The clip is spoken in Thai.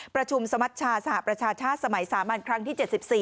ประชุมสมัชชาสหประชาชาติสมัยสามัญครั้งที่๗๔